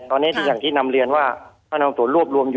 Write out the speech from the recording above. ตอนนี้ที่อย่างที่นำเรียนว่าพนำส่วนรวบรวมอยู่